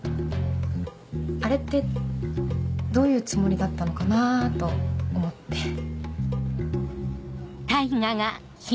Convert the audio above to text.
あれってどういうつもりだったのかなぁと思って。